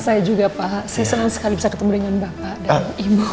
saya juga pak saya senang sekali bisa ketemu dengan bapak dan ibu